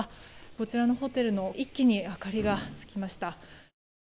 こちらのホテルも一気に明かりがつきました。